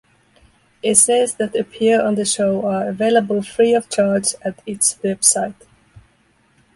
Essays that appear on the show are available free of charge at its website.